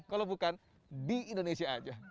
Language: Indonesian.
kalau bukan di indonesia aja